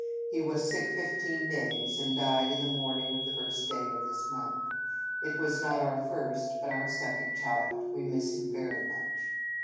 He was sick fifteen days, and died in the morning of the first day of this month. It was not our first, but our second child. We miss him very much.